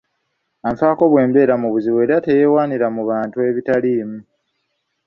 Anfaako bwe mbeera mu buzibu era teyewaanira mu bintu ebitaliimu.